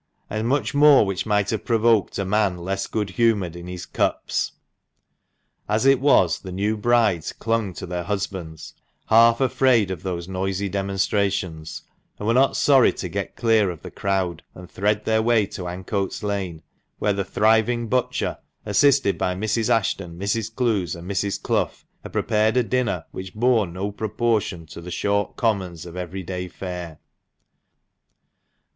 and much more which might have provoked a man less good humoured in his cups. As it was the new brides clung to their husbands, half afraid of those noisy demonstrations, and were not sorry to get clear of the crowd, and thread their way to Ancoats Lane, where the thriving butcher, assisted by Mrs. Ashton, Mrs. Clowes, and Mrs. dough, had prepared a dinner which bore no proportion to the " short commons " of every day' fare.